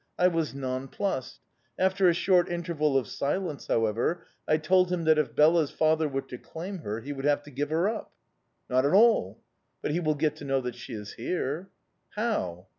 I was nonplussed. After a short interval of silence, however, I told him that if Bela's father were to claim her he would have to give her up. "'Not at all!' "'But he will get to know that she is here.' "'How?